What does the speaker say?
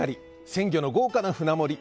鮮魚の豪華な舟盛り！